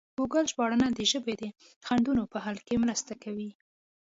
ګوګل ژباړن د ژبې د خنډونو په حل کې مرسته کوي.